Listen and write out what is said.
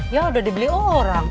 ya udah dibeli orang